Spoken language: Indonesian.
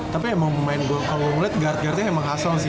tapi emang main gue kalau gue ngeliat guard guardnya emang hasil sih